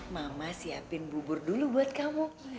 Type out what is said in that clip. mama siapin bubur dulu buat kamu